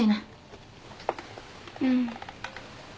うん。